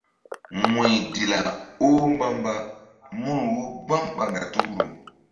Wu̧y Dila oh mbamba mun wo gbam ɓa ŋgatukru.